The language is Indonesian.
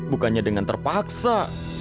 bukannya dengan terpaksa